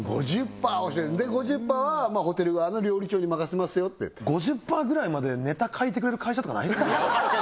パー５０パーはホテル側の料理長に任せますよって５０パーぐらいまでネタ書いてくれる会社とかないですかね？